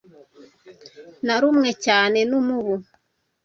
Narumwe cyane numubu.